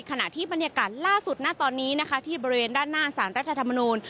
ขณะที่บรรยากาศล่าสุดณตอนนี้นะคะที่บริเวณด้านหน้าสารรัฐธรรมนูล